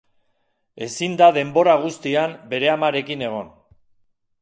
Ezin da denbora guztian bere amarekin egon.